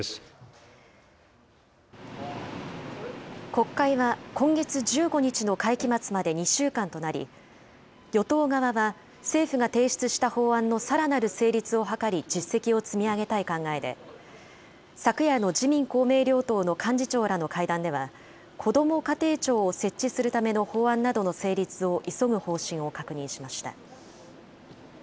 国会は今月１５日の会期末まで２週間となり、与党側は、政府が提出した法案のさらなる成立を図り、実績を積み上げたい考えで、昨夜の自民、公明両党の幹事長らの会談では、こども家庭庁を設置するための法案などの成立を急ぐ方針を確認しました。